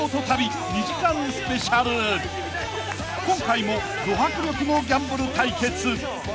［今回もど迫力のギャンブル対決］